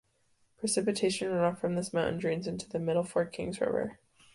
Precipitation runoff from this mountain drains into the Middle Fork Kings River.